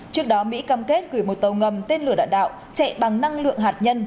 trước đó mỹ cam kết gửi một tàu ngầm tên lửa đạn đạo chạy bằng năng lượng hạt nhân